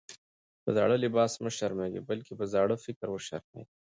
په زاړه لباس مه شرمېږئ! بلکي په زاړه فکر وشرمېږئ.